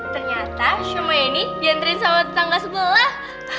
ternyata siomay ini diantriin sama tetangga sebelah